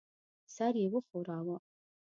سر یې وښوراوه.